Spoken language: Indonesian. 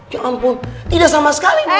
ya ampun tidak sama sekali